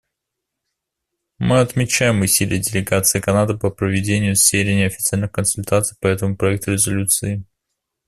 Мы отмечаем усилия делегации Канады по проведению серии неофициальных консультаций по этому проекту резолюции.